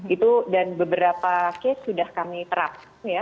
itu dan beberapa case sudah kami terap